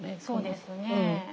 そうですね。